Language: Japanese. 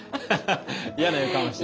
嫌な予感はしてた？